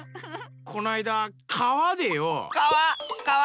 このあいだかわでよ。かわ？